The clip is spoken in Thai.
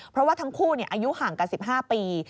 เพราะว่าทั้งคู่อายุห่างกัน๑๕ปี